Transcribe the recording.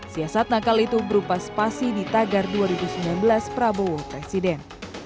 siasat nakal itu berupa spasi di tagar dua ribu sembilan belas prabowo presiden